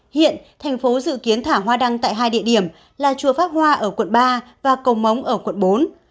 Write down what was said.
hiện thành phố dự kiến thả hoa đăng tại hai địa điểm là chùa pháp hoa ở quận ba và cầu móng ở quận bốn